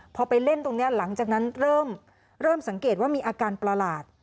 พอไปเล่นตรงนี้หลังจากนั้นเริ่มสังเกตว่ามีอาการประหลาด